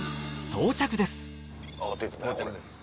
到着です。